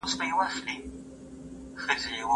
زه اجازه لرم چي لوښي وچوم